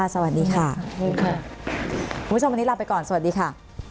สวัสดีค่ะคุณผู้ชมวันนี้ลาไปก่อนสวัสดีค่ะ